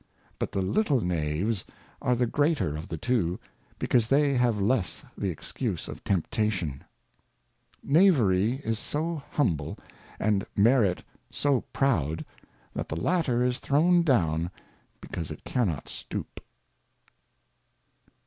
But the little Knaves are the greater of the two, because they have less the Excuse of Temptation. Knavery is so humble, and Merit so proud, that the latter is thrown down because it cannot stoop.